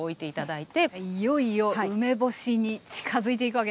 いよいよ梅干しに近づいていくわけですね